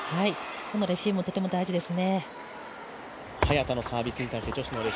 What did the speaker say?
このレシーブもとても大事です。